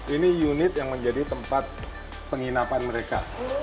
ini unit yang menjadi tempat penginapan mereka